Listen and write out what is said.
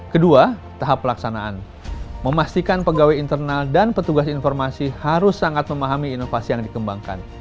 kedua tahap pelaksanaan memastikan pegawai internal dan petugas informasi harus sangat memahami inovasi yang dikembangkan